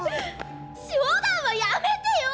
冗談はやめてよ！